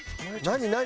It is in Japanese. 何？